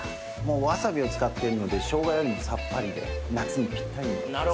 わさびを使っているのでショウガよりもさっぱりで夏にピッタリです。